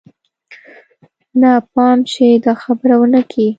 نه پام چې دا خبره ونه کې.